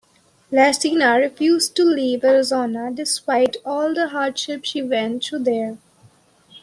Larcena refused to leave Arizona, despite all the hardships she went through there.